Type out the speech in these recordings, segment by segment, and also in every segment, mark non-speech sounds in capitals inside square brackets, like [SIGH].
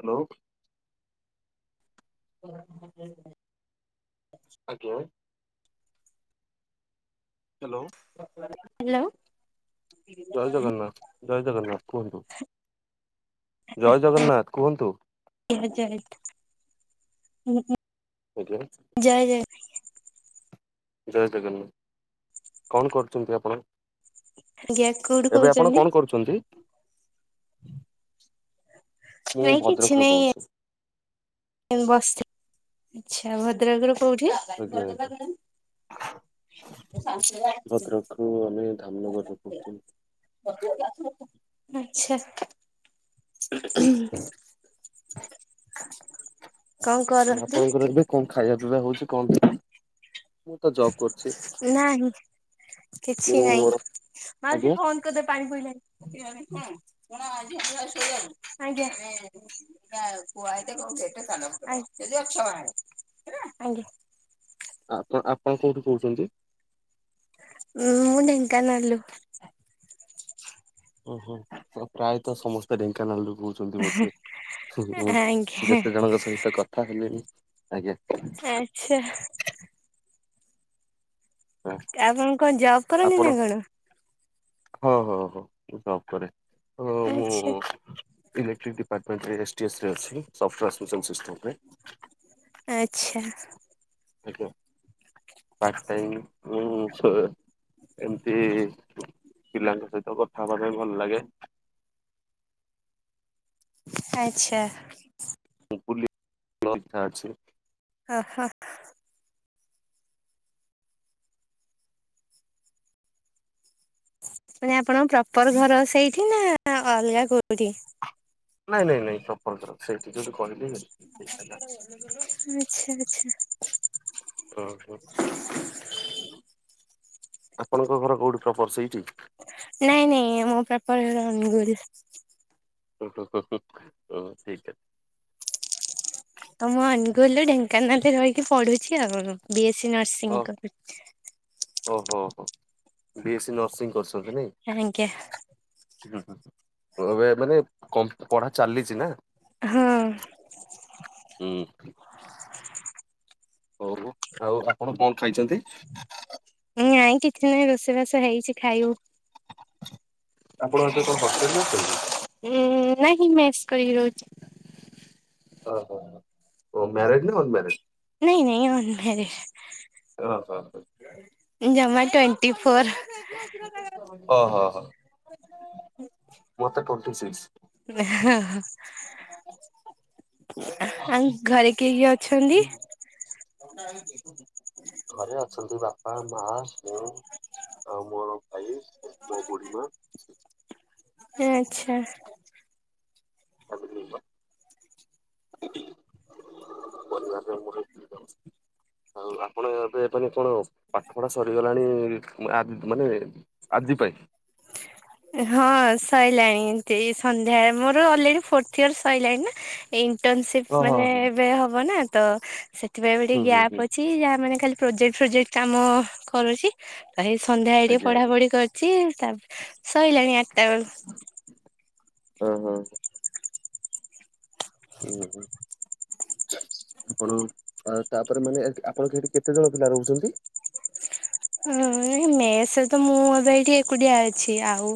Hello. ଓ ହ [INAUDIBLE] ଆଜ୍ଞା। ହାଲୋ। ହାଲୋ। ଜୟ ଜଗନ୍ନାଥ। ଜୟ ଜଗନ୍ନାଥ। କୁହନ୍ତୁ? ଜୟ ଜଗନ୍ନାଥ। କୁହନ୍ତୁ? ଆ ଯା [INAUDIBLE] ଓକେ। ଜୟ ଜୟ ଜୟ ଜଗନ୍ନାଥ। କଣ କରୁଛନ୍ତି ଆପଣ? ଆଜ୍ଞା କୋଉଠୁ ଏବେ ଆପଣ କହୁଛନ୍ତି? କଣ କରୁଛନ୍ତି? ମୁଁ ନାଇଁ ଭଦ୍ରକରୁ କହୁଛି। ମୁଁ ବସିଛି। ଆଚ୍ଛା ଭଦ୍ରକର କୋଉଠି? [INAUDIBLE] ଆଜ୍ଞା ଆଜ୍ଞା। ମୁଁ ଆମେ ଧାମନଗରରୁ କହୁଛନ୍ତି। ଆଚ୍ଛା [INAUDIBLE] କଣ କରନ୍ତି ଆପଣଙ୍କର ଏବେ କଣ ଖାଇବା ପିଇବା ହଉଛି କଣ [INAUDIBLE] ମୁଁ ତ ଜବ୍ କରୁଛି। ନାହିଁ କିଛି ମୁଁ ନାଇଁ। ମୋର ମାଉସି ଆଜ୍ଞା ଫୋନ କରିଦିଅ ପାଣି ପଇଲାଣି। କଣ ଆଜି [INAUDIBLE] ଶୋଇବାକୁ। ଆଜ୍ଞା [INAUDIBLE] ଏଇଟା ପୁଅ ଆଇଲେ କହିବ ଗେଟ୍ ଟା ତାଲା ପକାଇ ଦବ। ଯଦି ଅଛ ହିଆଡେ। ଆଜ୍ଞା ଆପଣ ଆପଣ କୋଉଠୁ କହୁଛନ୍ତି? ଉଁ ମୁଁ ଢେଙ୍କାନାଲରୁ। ଓ ହୋ ପ୍ରାୟତ ସମସ୍ତେ ଢେଙ୍କାନାଳରୁ କହୁ ଛନ୍ତି ବୋଧେ। ମୁଁ ଆଜ୍ଞା ଯେତେ ଜଣଙ୍କ ସହିତ କଥା ହେଲିଣିି ଆଜ୍ଞା ଆଛା ଆପଣ କଣ ଜବ୍ କରନ୍ତି ଆପଣ ନା କଣ ହଁ ହଁ ହ ମୁ ଉପରେ ମୁଁ ଆଚ୍ଛା ଇଲେକ୍ଟ୍ରିକ ଡିପାର୍ଟମେଣ୍ଟ ରେ ଏସ ଟି ଏସ ରେ ଅଛି। ସଫ୍ଟୱେସ ମିଶନ ସିଷ୍ଟମରେ। ଆଛା ଆଜ୍ଞା [UNINTELLIGIBLE] ଉ ଛ- - ଏମତି ପିଲାଙ୍କ ସହିତ କଥା ହବା ପାଇଁ ଭଲ ଲାଗେ। ଆଚ୍ଛା। ମୁଁ [INAUDIBLE] ଅଛି। ହା ହା ନା ଆପଣଙ୍କ ପ୍ରପର ଘର ସେଇଠି ନା ଅଲଗା କୋଉଠି? ନାଇଁ ନାଇଁ ପ୍ର ଆପଣଙ୍କ ର ସେଇଠି ଯଦି କହିଲି [INAUDIBLE] ହେଲା। ଆଚ୍ଛା ଆଚ୍ଛା ଓ ହୋ ଆପଣଙ୍କ ଘର କୋଉଠି ପ୍ରପର ସେଇଠି? ନାଇଁ ନାଇଁ ମୋ ପ୍ରପର ଘର ଅନୁଗୁଳ। ଉହୁଁ ଉହୁଁ ଉହୁଁ ଉ ତିଟା। ତ ମୁଁ ଅନୁଗୁଲ, ଢେଙ୍କାନାଳରେ ରହିକି ପଢୁଛି ଆଉ ବି ଏସ୍ ସି ଓ ନର୍ସିଂ କରଛି। ଓହୋ ବି ଏସ ସି ନର୍ସିଂ କରୁଛନ୍ତି ନାଇଁ ଆଜ୍ଞା ହୁଁ ହୁଁ ମୋର କହିବା ମାନେ କ ପଢା ଚାଲିଛି ନା। ହଁ ହୁଁ ହଉ ଆଉ ଆପଣ କଣ ଖାଇଛନ୍ତି? ନାଇଁ କିଛି ନାହିଁ ରୋଷେଇବାସ ହେଇଛି ଖାଇବୁ। ଆପଣ ଏବେ କଣ ହଷ୍ଟେଲ ରେ ଅଛନ୍ତି? ଉଁ ନାଇଁ ମେସ୍ କରିକି ରହୁଛି। ଓହୋ ହୋ ଓ ମ୍ୟାରେଡ୍ ନା ଅନମ୍ୟାରେଡ? ନାଇଁ ନାଁଇ ଅନମ୍ୟାରେଡ। ଜମା ଟୋଣ୍ଟି ଫୋର୍। ଓ ହୋ ହୋ। ମୋତେ ଟୋଣ୍ଟି ସିକ୍ସ। ଓଃ ଆଉ ଘରେ କିଏ କିଏ ଅଛନ୍ତି? ଘରେ ଅଛନ୍ତି ବାପା, ମା, ସ୍ନେଉ। ଆଉ ମୋର ଭାଇ ମୋ ବୁଢ଼ୀମା। [INAUDIBLE] ଆଚ୍ଛା। [UNINTELLIGIBLE] ଆଉ ଆପଣ ଏବେ ମାନେ କଣ ପାଠ ପଢା ସରିଗଲାଣି। ମାନେ ଆଜି ପାଇଁ? ହଁ ସରିଲାଣି ଏମିତି ସନ୍ଧ୍ୟା ମୋର ଅଲରେଡି ଫୋର୍ଥ ଇୟର ସରିଲାଣି ନା। ଇଣ୍ଟର୍ନସିପ୍ ଓ ହୋ ମାନେ ହୋ ଏବେ ହବ ନା ତ ସେଥିପାଇଁ ଟିକେ ହୁଁ ହୁଁ ଗ୍ୟାପ୍ ହୁଁ ଅଛି ଯାହା ମାନେ ଖାଲି ପ୍ରୋଜେକ୍ଟ ଫୋଜେକ୍ଟ କାମ କରୁଛି। ଏଇ ସନ୍ଧ୍ୟା ଆଇ ଟିକେ ଆଜ୍ଞା ପଢା ଆଜ୍ଞା ପଢି କରୁଛି ତା ସରିଲାଣି ଆଠଟା ବେଳୁ। ହୁଁ ହୁଁ। ଉଁ ହୁଁ। ଆପଣ ତାପରେ ମାନେ ଆପଣଙ୍କ ସେଠି କେତେ ଜଣ ପିଲା ରହୁଛନ୍ତି? ହଁ ମେସ ତ ମୁଁ ଏବେ ଏଇଠି ଏକୁଟିଆ ଅଛି। ଆଉ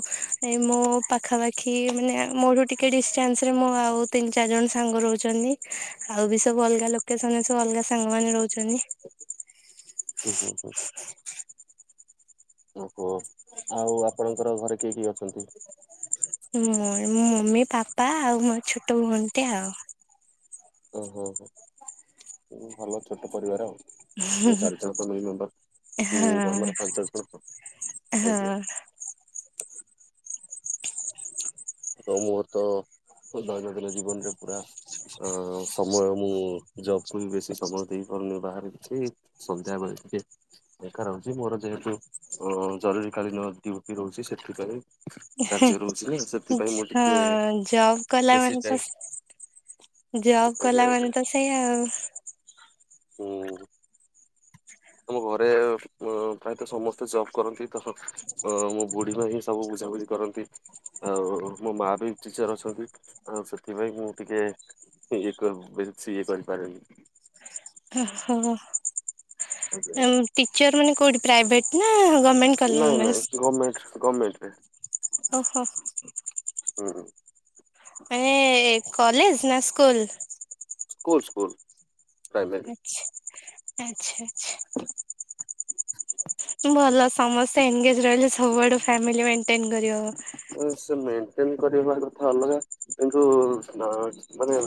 ଏଇ ମୋ ପାଖାପାଖି ଖି ମାନେ ମୋଠୁ ଟିକେ ଡିଷ୍ଟାନ୍ସରେ ମୁଁ ଆଉ ତିନି ଚାରି ଜଣ ସାଙ୍ଗ ରହୁଛନ୍ତି। ଆଉ ବି ସବୁ ଅଲଗା ଲୋକେସନ ସବୁ ଅଲଗା ସାଙ୍ଗ ମାନ ରହୁଛନ୍ତି। ହୁଁ ହୁଁ। ଓହୋ ଆଉ ଆପଣଙ୍କର ଘରେ କିଏ କିଏ ଅଛନ୍ତି? ମଁ ମୋ ମମି ପାପା ଆଉ ମୋ ଛୋଟ ଭଉଣୀ ଟିଏ ଆଉ। ଓହୋ ହୋ ଭଲ ଛୋଟ ପରିବାର ଆଉ। ତମର ଚାରି ଚାରି ଟା ଫାମିଲି ମେମ୍ବରୁ ହଁ। ଆମର ପାଞ୍ଚ ଜଣ ଆଜ୍ଞା। ହଁ ତ ମୁତ ଦୈନଦିନ ଜୀବନରେ ପୁରା ଆ ସମୟ ମୁଁ ଜବକୁୁ ବି ବେଶୀ ସମୟ ଦେଇପାରୁନି ବାହାରେ କିଛି ସନ୍ଧ୍ୟା ବେଳେ କିଏ ଦେଖା ରହୁଛି ମୋର ଯେହେତୁ ଜରୁରୀ କଳୀନ ଡ୍ୟୁଟି ରହୁଛି ସେଥିପାଇଁ। କାର୍ଯ୍ୟ ରହୁଛି ଯେ ସେ ହଁ ଜବ୍ କଲା ମାନେ ତ ଟାଇମ୍ ଜବ୍ ଆଜ୍ଞା କଲା ଆଜ୍ଞା ମାନେ ତ ସେଇଆ ଆଉ। ହୁଁ। ଆମ ଘରେ ପ୍ରାୟତଃ ସମସ୍ତେ ଜବ୍ କରନ୍ତି ତ। ଅ ମୋ ବୁଢୀ ମାଆ ହିଁ ସବୁ ବୁଝାବୁଝି କରନ୍ତି। ଆଉ ମୋ ମା ବି ଟିଚର୍ ଅଛନ୍ତି। ଆଉ ସେଥିପାଇଁ ମୁଁ ଟିକେ [UNINTELLIGIBLE] କିଛି ଇଏକରିପାରେନି ଓହୋ ଆଜ୍ଞା। ଟିଚର ମାନେ କୋଉଠି ପ୍ରାଇଭେଟ ନା ଗମେଣ୍ଟ? ନା ନା ଗମେଣ୍ଟ ଗମେଣ୍ଟ ରେ। ଓହୋ। ହୁଁ ହୁଁ! ମାନେ କଲେଜ ନା ସ୍କୁଲ। School school primary. ଆଚ୍ଛା ଆଚ୍ଛା। ଭଲ ସମସ୍ତେ ଏନଗେଜ ରହିଲେ ସବୁଆଡୁ ଫ୍ୟାମିଲି ମେଣ୍ଟେନ୍‌ ସେ ମେଣ୍ଟେନ କରିବା କଥା ଅଲଗା। କିନ୍ତୁ ମାନେ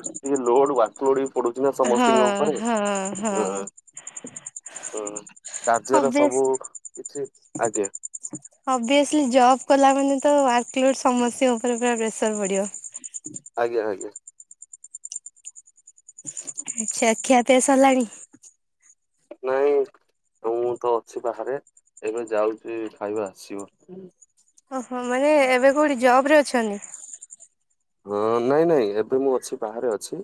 ଲୋଡ ବା ପୋଡି ପଡୁଥିଲା ହଁ ସମସ୍ତିଙ୍କ ଉପରେ ହଁ ହଁ ହୁଁ। ହଁ କାର୍ଯ୍ୟର ସବୁ କିଛି ଆଜ୍ଞା। ଅଭିଏସଲି ଜବ୍ କଲା ମାନେ ତ ୱାର୍କ ଲୋଡ ସମସ୍ୟାଙ୍କ ଉପରେ ପୁର ପ୍ରେସର ପଡିବ। ଆଜ୍ଞା ଆଜ୍ଞା। ଆଛା ଆଖିପିଆ ସରିଲାଣି? ନାଇଁ ମୁଁ ତ ଅଛି ବାହାରେ ଏବେ ଯାଉଛି ଖାଇବା ଆସିବ। ଓହୋ ମାନେ ଏବେ କୋଉଠି ଜବ ରେ ଅଛନ୍ତି? ହଁ ନାଇଁ ନାଇଁ ଏବେ ମୁଁ ଅଛି ବାହାରେ ଅଛି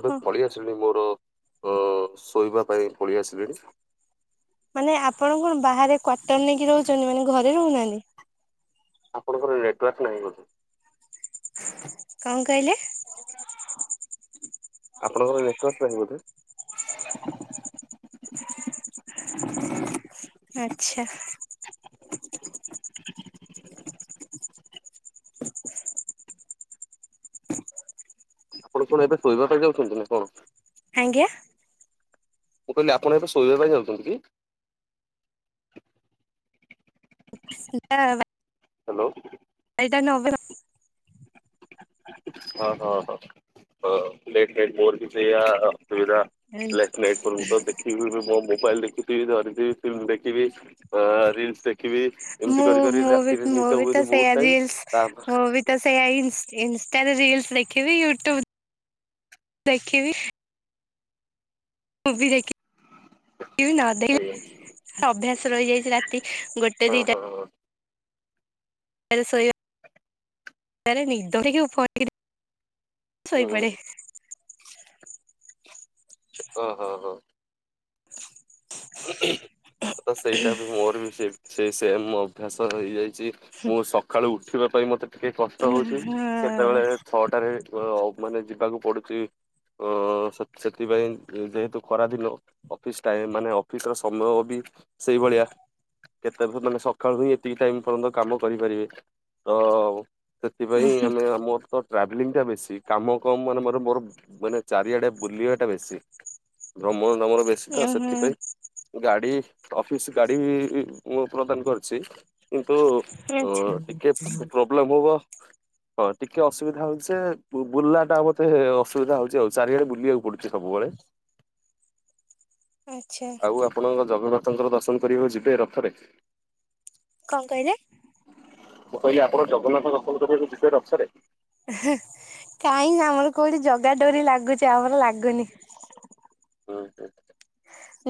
ଏବେ ପଳେଇଆ। ଆ ମୋର ଅ ଶୋଇବା ପାଇଁ ପଳେଇ ଆସିଲିଣି। ମାନେ ଆପଣ କଣ ବାହାରେ କ୍ଵାର୍ଟର ନେଇକି ରହୁଛନ୍ତି ମାନେ ଘରେ ରହୁନାହାନ୍ତି। ଆପଣଙ୍କର ନେଟୱାର୍କ ନାହିଁ ବୋଧେ। କଣ କହିଲେ? [UNINTELLIGIBLE] ଆପଣଙ୍କର ନେଟୱାର୍କ୍ସ ପାଉହି ବୋଧେ। ଆଛା। [UNINTELLIGIBLE] ଆପଣ କଣ ଏବେ ଶୋଇବା ପାଇଁ ଯାଉଛନ୍ତି ନା କଣ? ଆଜ୍ଞା। ମୁଁ କହିଲି ଆପଣ ଏବେ ଶୋଇବା ପାଇଁ ଯାଉଛନ୍ତି କି? [INAUDIBLE] [UNINTELLIGIBLE] [INAUDIBLE] ହ୍ୟାଲୋ। ସେଇଟା ନ ହେବ। ହଁ ହଁ ହ ପ୍ଲେଟ ମୋର ବି ସେୟା ଅସୁବିଧା। ଲେଟ ନାଇଟ ପର୍ଯ୍ୟନ୍ତ ଦେଖିବି ମୋ ମୋବାଇଲ ଦେଖି ଧରି ଫିଲ୍ମ ଦେଖିବି ରିଲସ ଦେଖି ଦେଖିବି ଏମିତି ମୁଁ କରି କରି ମୁଁ ବି ରାତିରେ ମୁଁ ନିଦ ବି ତ ହୁଏନି ସେଇଆ ବହୁତ ଟାଇମ ରିଲସ ତାପରେ ମୁଁ ବି ତ ସେଇଆ ଇନଷ୍ଟାରେ ରିଲ୍ସ ଦେଖିବି ୟୁଟ୍ୟୁବ ଦେଖିବି ମୁଭି ଦେଖିବି ନ ଆଜ୍ଞା ସେଇ ଅଭ୍ୟାସ ରହିଯାଇଛି ରାତି ଗୋଟେ ହଁ ଦିଟା ହଁ ହଁ [INAUDIBLE] [INAUDIBLE] ହୁଁ ଶୋଇପଡେ। ଓହୋ। ତ ସେଇଟା ବି ମୋର ବି ସେ ସେ ସେମ୍ ଅଭ୍ୟାସ ରହିଯାଇଛି। ମୁଁ ସକାଳୁ ଉଠିବା ପାଇଁ ମତେ ଟିକେ କଷ୍ଟ ଉଁ ହଉଛି ହଁ କେତେବେଳେ ଛଅଟାରେ ମାନେ ଯିବାକୁ ପଡୁଛି। ଅ ସେଥିପାଇଁ ଯେହେତୁ ଖରାଦିନେ ଅଫିସ ଟାଇମ ମାନେ ଭିତର ସମ୍ଭବ ବି ସେଇଭଳିଆ। କେତେ ମାନେ ସକାଳୁ ହିଁ ଏତିକି ଟାଇମ ପର୍ଯ୍ୟନ୍ତ କାମ କରିପାରିବେ ତ ସେଥିପାଇଁ ଆମେ ଆମ ତ ଟ୍ରାଭେଲିଂଟା ବେଶୀ କାମ କମ ମାନେ ମୋର ମୋର ମାନେ ଚାରିଆଡେ ବୁଲିବାଟା ବେଶୀ। ଭ୍ରମଣ ରମର ବେଶୀ ତ ଉଁ ହୁଁ ସେଥିପାଇଁ। ଗାଡି ଅଫିସ ଗାଡି ମୁଁ ପ୍ରଦାନ କରିଛି। କିନ୍ତୁ ଅ ଆଚ୍ଛା ଟିକେ ପ୍ରୋବ୍ଲେମ ହବ। ହଁ ଟିକେ ଅସୁବିଧା ହଉଛି ସେ ବୁଲାଟା ମତେ ଅସୁବିଧା ହଉଛି ଆଉ ଚାରିଆଡେ ବୁଲିବାକୁ ପଡୁଛି ବୁ ସବୁବେଳେ। ଆଚ୍ଛା। ଆଉ ଆପଣଙ୍କ ଜଗନ୍ନାଥଙ୍କର ଦର୍ଶନ କରିବାକୁ ଯିବେ ରଥରେ। କଣ କହିଲେ? ମୁଁ କହିଲି ଆପଣ ଜଗନ୍ନାଥ ଦର୍ଶନ କରି ଯିବେ ରଥରେ। କାଇଁ ଆମର କୋଉଠି ଜଗା ଡୋରି ଲାଗୁଛି ଆମର ଲାଗୁନି? ହୁଁ ହୁଁ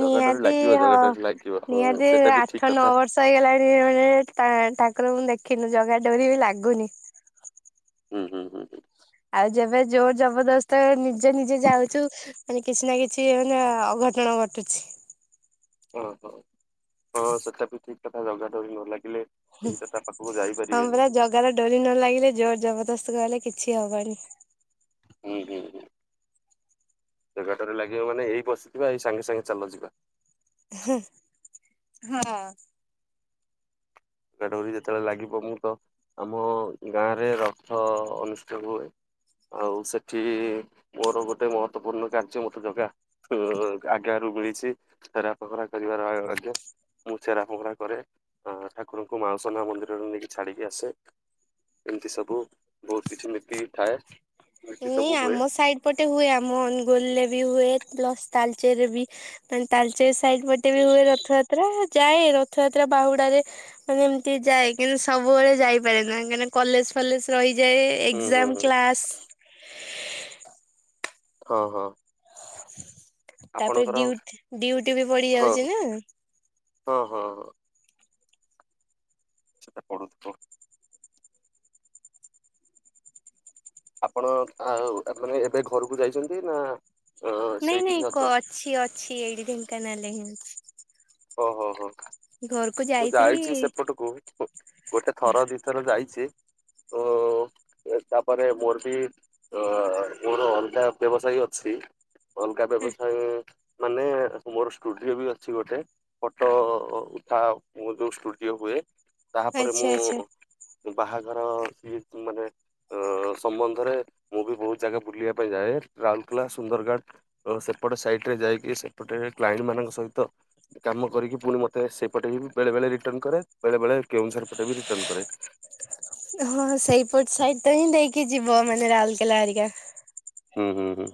ଜଗା ଡୋରି ନିହାତି ଲାଗିବ ଜଗା ହଁ। ଡୋରି ଲାଗିବ ହୁଁ ନିହାତି ସେଇଟା ବି ଆଠ ଠିକ୍ ନଅ କଥା। ବର୍ଷ ହେଇଗଲାଣି ମାନେ ଠାକୁରଙ୍କୁ ଦେଖିନୁ ଜଗା ଡୋରି ବି ଲାଗୁନି। ହୁଁ ହୁଁ ହୁଁ। ଆଉ ଯେବେ ଜୋର ଜବରଦସ୍ତ ନିଜେ ନିଜେ ଯାଉଛୁ ମାନେ କିଛି ନା କିଛି ମାନେ ଅଘଟଣ ଘଟୁଛି। ଓହୋ ହଁ ସେଟାବି ଠିକ କଥା ଜଗା ଡୋରି ନ ଲାଗିଲେ ଏଇଟା ତା ପାଖକୁ ହଁ ଯାଇପାରିବେନି? ପରା ଜଗାର ଡୋରି ନ ଲାଗିଲେ ଜୋର ଜବରଦସ୍ତ କଲେ କିଛି ହବନି। ହୁଁ ହୁଁ ହୁଁ ଜଗା ଡୋରି ଲାଗିବ ମାନେ, ଏଇ ବସିଥିବା ଏଇ ସାଙ୍ଗେ ସାଙ୍ଗେ ଚାଲ ଯିବା ହେଁ ହଁ। ଜଗା ଡୋରି ଯେତେବେଳେ ଲାଗିବ ମୁଁ ତ ଆମ ଗାଁରେ ରଥ ଅନୁଷ୍ଠିତ ହୁଏ। ଆଉ ସେଠି ମୋର ଗୋଟେ ମହତ୍ଵପୂର୍ଣ୍ଣ କାର୍ଯ୍ୟ ମତେ ଜଗା ଆଜ୍ଞା ରୁ ମିଳିଛି ଛେରା ଫହିଁରା କରିବାର ଆଜ୍ଞା। ମୁଁ ଚେରା ପହଁରା କରେ, ଏଁ ଠାକୁରଙ୍କୁ ମାଉସ ମା ମନ୍ଦିରରେ ନେଇକି ଛାଡିକି ଆସେ। ଏମିତି ସବୁ ବହୁତ କିଛି ନିତି ଥାଏ। ନୀତି ନାଇଁ ସବୁ ହୁଏ ଆମ ସାଇଡ ପଟେ ହୁଏ, ଆମ ଅନୁଗୁଲରେ ବି ହୁଏ, ପ୍ଲସ ତାଳଚେର ରେ ବି ତାଲଚେର ସାଇଡ ପଟେ ବି ହୁଏ ରଥଯାତ୍ରା ଯାଏ ରଥଯାତ୍ରା ବାହୁଡାରେ ମାନେ ଏମିତି ଯାଏ କିନ୍ତୁ ସବୁବେଳେ ଯାଇପାରେ ନା କାଁକିନା କଲେଜ ଫଲେଜ ରହିଯାଏ। ହୁଁ ହୁଁ ଏକ୍ଜାମ ହୁଁ କ୍ଲାସ। ହଁ ହଁ। ତାପରେ ଆପଣଙ୍କର ଡିଉ ଡିୟୁଟି ବି ପଡି ହଁ ଯାଉଛି ନା। ହଁ ହଁ ହଁ। ସେଟା ପଡୁଥିବ। ଆପଣ ଆ ମାନେ ଏବେ ଘରକୁ ଯାଇଛନ୍ତି ନା ଅ ନାଇଁ ସେଇଠି ହିଁ ନାଇଁ କ ଅଛନ୍ତି ଅଛି ଅଛି ଏଇଠି ଢେଙ୍କାନାଳ ରେ ହିଁ ଅଛି। ଓ ହୋ ହୋ। ଘର ମୁଁ ଯାଇଛି ସେପଟକୁ ଗୋଟେ ଥର ଦିଥର ଯାଇଛି ତ ତାପରେ ମୋରବି ଅ ମୋର ଅଲଗା ବ୍ୟବସାୟ ଅଛି। ଅଲଗା ବ୍ୟବସାୟ ମାନେ ମୋର ଷ୍ଟୁଡିଓ ବି ଅଛି ଗୋଟେ ଫଟୋ ଉଠା ମୁଁ ଯୋଉ ଷ୍ଟୁଡିଓ ହୁଏ ତାପରେ ଆଚ୍ଛା ମୁଁ ଆଚ୍ଛା ବାହାଘର ସିଏ ମାନେ ସମ୍ବନ୍ଧରେ ମୁଁ ବି ବହୁତ ଜାଗା ବୁଲିବା ପାଇଁ ଯାଏ, ରାଉରକେଲା, ସୁନ୍ଦରଗଡ଼ ଓ ସେପଟେ ସାଇଟରେ ଯାଇକି ସେପଟେ କ୍ଲାଇଣ୍ଡ ମାନଙ୍କ ସହିତ କାମ କରିକି ପୁଣି ମତେ ସେଇପଟେ ହିଁ ବେଳେ ବଳେ ରିଟର୍ଣ କରେ, ବେଳେ ବେଳେ କେଉଁଝର ପଟେ ବି ରିଟର୍ଣ କରେ। ହଁ ସେଇପଟ ସାଇଟ ତ ହିଁ ଦେଇକି ଯିବ ମାନେ ରାଉରକେଲା ଆରିକା। ହୁଁ ହୁଁ ହୁଁ।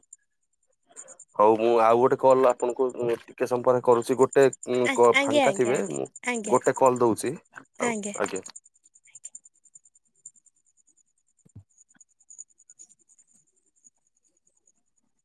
ହଉ ମୁଁ ଆଉ ଗୋଟେ କଲ୍ ଆପଣଙ୍କୁ ଟିକେ ସମ ପରେ କରୁଛି ଗୋଟେ ଉଁ ଆଜ୍ଞା ଫାଙ୍କା ଆଜ୍ଞା ଥିବେ ଆଜ୍ଞା ମୁଁ ଆଜ୍ଞା ଗୋଟେ କଲ୍ ଦଉଛି ଆଉ ଆଜ୍ଞା।